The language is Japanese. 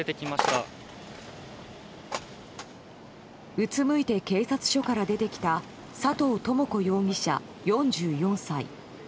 うつむいて警察署から出てきた佐藤智子容疑者、４４歳。